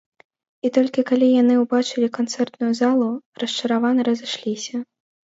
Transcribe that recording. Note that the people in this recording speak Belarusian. І толькі калі яны ўбачылі канцэртную залу, расчаравана разышліся.